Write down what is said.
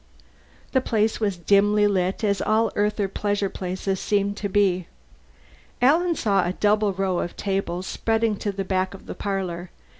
The place was dimly lit, as all Earther pleasure places seemed to be. Alan saw a double row of tables spreading to the back of the parlor.